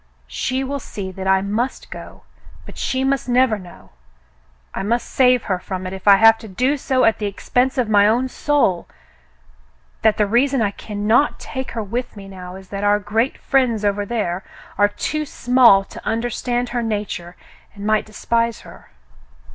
She will see that I must go, but she must never know — I must save her from it if I have to do so at the expense of my own soul — that the reason I cannot take her with me now is that our great friends over there are too small to understand her nature and might despise her.